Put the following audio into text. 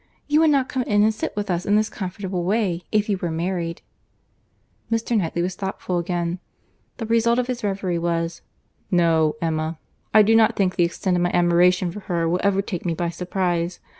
You would not come in and sit with us in this comfortable way, if you were married." Mr. Knightley was thoughtful again. The result of his reverie was, "No, Emma, I do not think the extent of my admiration for her will ever take me by surprize.